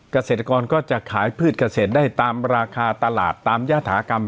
เกษตรกรก็จะขายพืชเกษตรได้ตามราคาตลาดตามยาฐากรรม